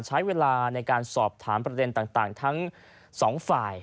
ใช้เวลาในการสอบถามประเด็นต่างทั้งสองฝ่าย